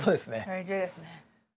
大事ですね。